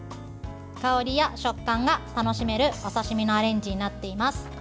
香りや食感が楽しめるお刺身のアレンジになっています。